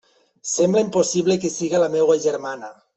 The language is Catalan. Sembla impossible que siga la meua germana!